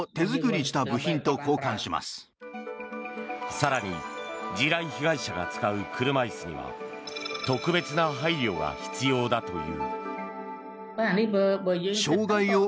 更に地雷被害者が使う車椅子には特別な配慮が必要だという。